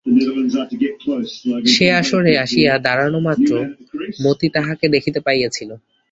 সে আসরে আসিয়া দাড়ানো মাত্র মতি তাহাকে দেখিতে পাইয়াছিল।